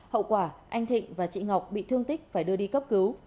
hậu quả anh thịnh và chị ngọc bị thương tích phải đưa đi cấp cứu